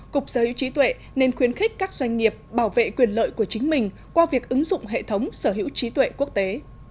cục sở hữu trí tuệ nên khuyến khích các doanh nghiệp bảo vệ quyền lợi của chính mình qua việc ứng dụng hệ thống sở hữu trí tuệ quốc tế